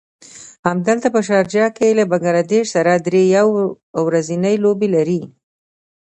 همدلته په شارجه کې له بنګله دېش سره دری يو ورځنۍ لوبې لري.